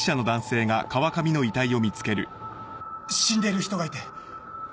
死んでる人がいて。